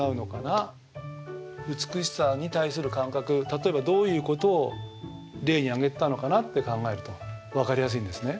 例えばどういうことを例に挙げてたのかなって考えると分かりやすいんですね。